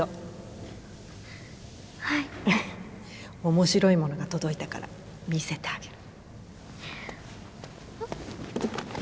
面白いものが届いたから見せてあげる。